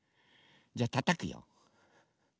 じゃあたたくよ。